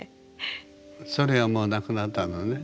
それはもうなくなったのね？